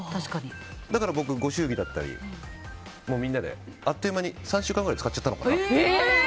だから僕、ご祝儀とかであっという間に３週間くらいで使っちゃったのかな。